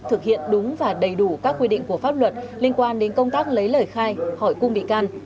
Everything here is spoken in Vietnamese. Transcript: thực hiện đúng và đầy đủ các quy định của pháp luật liên quan đến công tác lấy lời khai hỏi cung bị can